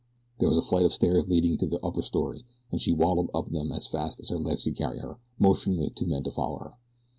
There was a flight of stairs leading to the upper story, and she waddled up them as fast as her legs would carry her, motioning the two men to follow her.